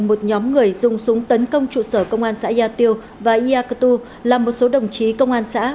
một nhóm người dùng súng tấn công trụ sở công an xã gia tiêu và ia cơ tu làm một số đồng chí công an xã